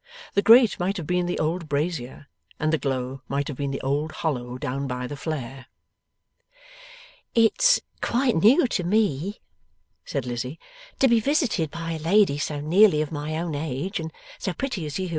The grate might have been the old brazier, and the glow might have been the old hollow down by the flare. 'It's quite new to me,' said Lizzie, 'to be visited by a lady so nearly of my own age, and so pretty, as you.